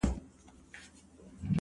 ستا په يادونو كي راتېره كړله،